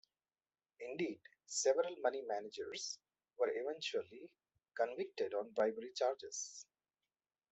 Indeed, several money managers were eventually convicted on bribery charges.